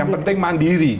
yang penting mandiri